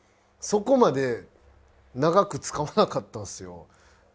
そこまで長く使わなかったんすよ。